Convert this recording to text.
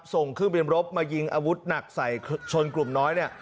ส่งเครื่องบินรบมายิงอาวุธหนักใส่ชนกลุ่มน้อยเนี่ย